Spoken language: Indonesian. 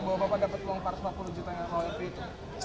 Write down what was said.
bahwa bapak dapat uang rp empat ratus empat puluh juta